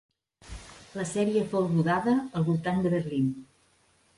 La sèrie fou rodada al voltant de Berlín.